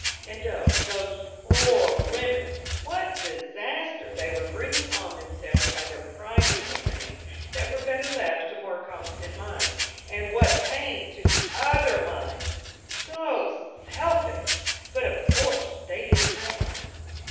And oh, those poor women, what disaster they were bringing on themselves by their prying into things that were better left to more competent minds, and what pain to other minds! So selfish, but of course they didn't realize.